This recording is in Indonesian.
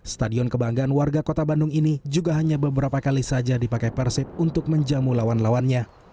stadion kebanggaan warga kota bandung ini juga hanya beberapa kali saja dipakai persib untuk menjamu lawan lawannya